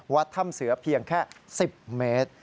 วัดถ้ำเสือเพียงแค่๑๐เมตร